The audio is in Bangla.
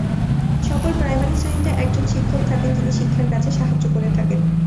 সকল প্রাইমারি শ্রেণীতে একজন শিক্ষক থাকেন, যিনি শিক্ষার কাজে সাহায্য করে থাকেন।